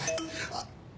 あっ。